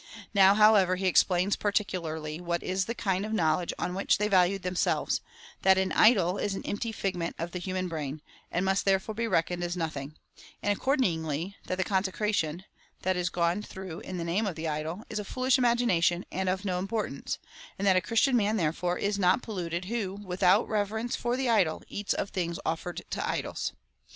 Now, however, he explains particularly, what is the kind of knowledge on which they valued themselves — that an idol is an empty figment of the human brain, and must therefore be reckoned as nothing ; and accordingly, that the consecration, that is gone through in name of the idol, is a foolish imagination, and of no importance, and that a Chris tian man, therefore, is not polluted, who, without reverence for the idol, eats of things offered to idols.